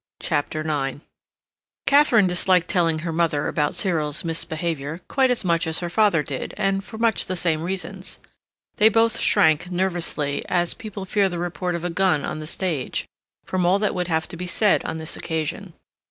CHAPTER IX Katharine disliked telling her mother about Cyril's misbehavior quite as much as her father did, and for much the same reasons. They both shrank, nervously, as people fear the report of a gun on the stage, from all that would have to be said on this occasion.